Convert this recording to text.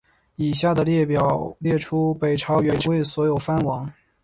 以下的列表列出北朝元魏所有的藩王。